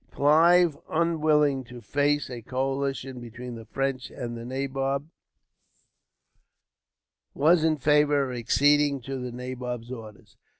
Clive, unwilling to face a coalition between the French and the nabob, was in favour of acceding to the nabob's orders.